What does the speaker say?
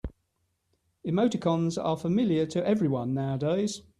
Emoticons are familiar to everyone nowadays.